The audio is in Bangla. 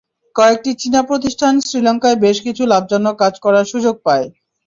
কয়েকটি চীনা প্রতিষ্ঠান শ্রীলঙ্কায় বেশ কিছু লাভজনক কাজ করার সুযোগ পায়।